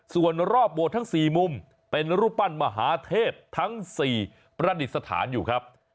ส่วนรอบโบสถ์ทั้ง๔มุมเป็นรูปปั้นมหาเทพทั้ง๔ประดิษฐานอยู่ครับ